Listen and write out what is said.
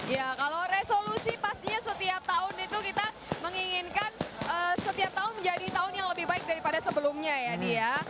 ya kalau resolusi pastinya setiap tahun itu kita menginginkan setiap tahun menjadi tahun yang lebih baik daripada sebelumnya ya